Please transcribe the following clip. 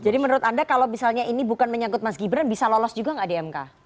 jadi menurut anda kalau ini bukan menyangkut mas gibran bisa lolos juga tidak di mk